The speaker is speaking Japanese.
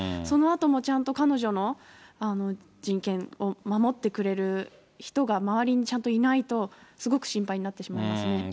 そのあとも、ちゃんと彼女の人権を守ってくれる人が周りにちゃんといないと、すごく心配になってしまいますね。